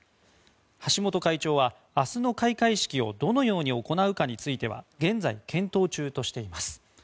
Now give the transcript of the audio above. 橋本会長は明日の開会式をどのように行うかについては現在、検討中としています。